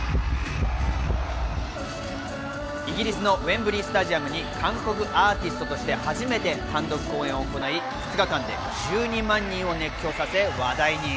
イギリスのウェンブリー・スタジアムに韓国アーティストとして初めて単独公演を行い、２日間で１２万人を熱狂させ話題に。